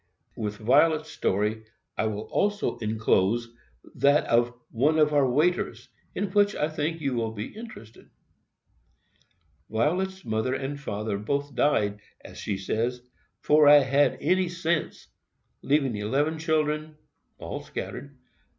With Violet's story, I will also enclose that of one of our waiters; in which, I think, you will be interested. Violet's father and mother both died, as she says, "'fore I had any sense," leaving eleven children—all scattered.